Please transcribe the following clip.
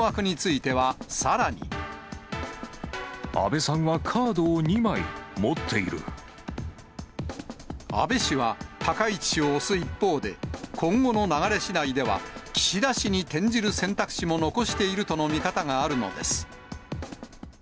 安倍さんはカードを２枚持っ安倍氏は、高市氏を推す一方で、今後の流れしだいでは岸田氏に転じる選択肢も残しているという見方があるのです。